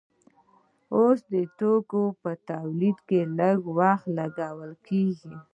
اوس د توکو په تولید لږ وخت لګیږي.